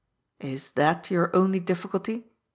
" Is that your only difficulty